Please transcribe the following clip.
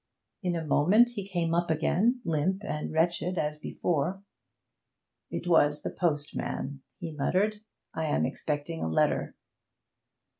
In a moment he came up again, limp and wretched as before. 'It was the postman,' he muttered. 'I am expecting a letter.'